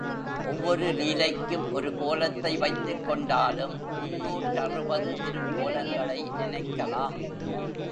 ஒவ்வொரு லீலைக்கும் ஒரு கோலத்தை வைத்துக் கொண்டாலும் முந்நூற்றறுபது திருக்கோலங்களை நினைக்கலாம்.